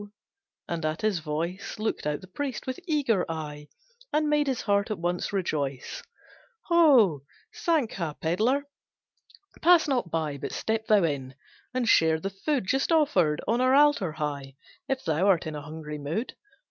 And at his voice Looked out the priest, with eager eye, And made his heart at once rejoice. "Ho, Sankha pedlar! Pass not by, But step thou in, and share the food Just offered on our altar high, If thou art in a hungry mood.